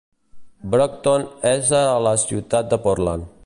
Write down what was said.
Brocton és a la ciutat de Portland.